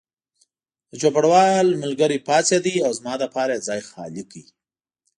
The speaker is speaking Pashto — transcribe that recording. د چوپړوال ملګری پاڅېد او زما لپاره یې ځای خالي کړ.